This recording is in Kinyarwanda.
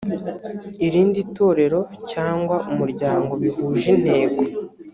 irindi torero cyangwa umuryango bihuje intego